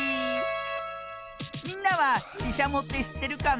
みんなはししゃもってしってるかな？